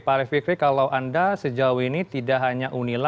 pak arief fikri kalau anda sejauh ini tidak hanya unila